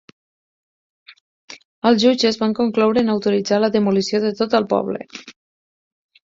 Els jutges van concloure en autoritzar la demolició de tot el poble.